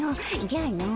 じゃあの。